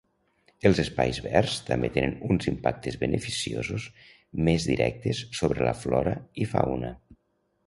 Els espais verds també tenen uns impactes beneficiosos més directes sobre la flora i fauna.